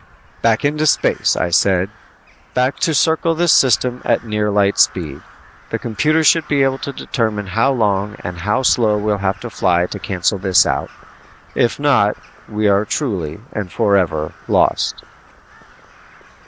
"Back into space," I said. "Back to circle this system at a near light speed. The computers should be able to determine how long and how slow we'll have to fly to cancel this out. If not, we are truly and forever lost!"